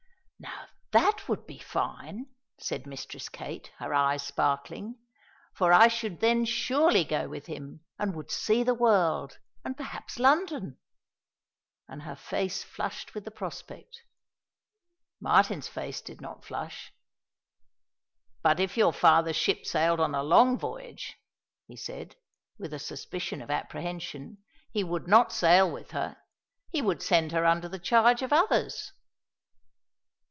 "Now that would be fine!" said Mistress Kate, her eyes sparkling, "for I should then surely go with him, and would see the world, and perhaps London." And her face flushed with the prospect. Martin's face did not flush. "But if your father's ship sailed on a long voyage," he said, with a suspicion of apprehension, "he would not sail with her; he would send her under the charge of others."